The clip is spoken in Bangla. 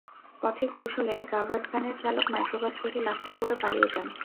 পথে কৌশলে কাভার্ড ভ্যানের চালক মাইক্রোবাস থেকে লাফিয়ে পড়ে পালিয়ে যান।